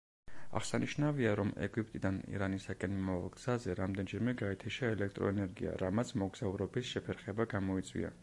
აღსანიშნავია, რომ ეგვიპტიდან ირანისაკენ მიმავალ გზაზე რამდენჯერმე გაითიშა ელექტრო ენერგია, რამაც მოგზაურობის შეფერხება გამოიწვია.